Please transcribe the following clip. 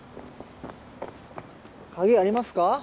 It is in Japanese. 鍵ありますか？